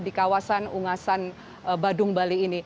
di kawasan ungasan badung bali ini